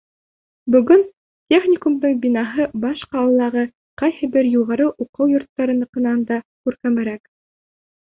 Бөгөн техникумдың бинаһы баш ҡалалағы ҡайһы бер юғары уҡыу йорттарыныҡынан да күркәмерәк.